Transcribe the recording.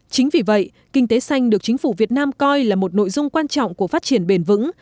chính vì vậy kinh tế xanh được chính phủ việt nam coi là một nội dung quan trọng của phát triển bền vững